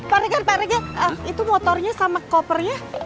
pak regat pak regat itu motornya sama kopernya